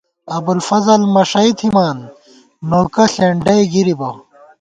ابُوالفضل مݭَئ تھِمان، نوکہ ݪېنڈَئی گِرِبہ